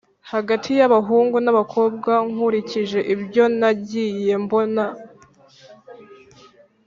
hagati y’abahungu n’abakobwa, nkurikije ibyo nagiye mbona